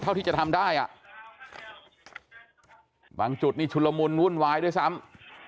เท่าที่จะทำได้อ่ะบางจุดนี่ชุลมุนวุ่นวายด้วยซ้ำ